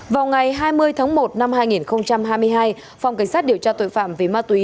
vào ngày hai mươi tháng một năm hai nghìn hai mươi hai phòng cảnh sát điều tra tội phạm về ma túy